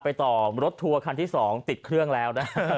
ต่อรถทัวร์คันที่๒ติดเครื่องแล้วนะ